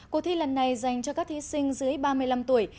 cuộc thi lần này dành cho các thí sinh dưới ba mươi năm tuổi